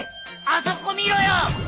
あそこ見ろよ！